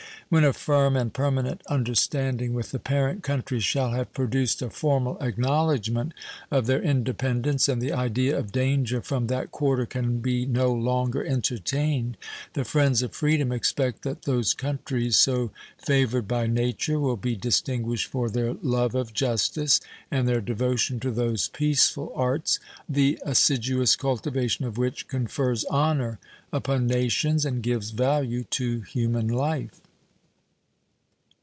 When a firm and permanent understanding with the parent country shall have produced a formal acknowledgment of their independence, and the idea of danger from that quarter can be no longer entertained, the friends of freedom expect that those countries, so favored by nature, will be distinguished for their love of justice and their devotion to those peaceful arts the assiduous cultivation of which confers honor upon nations and gives value to human life.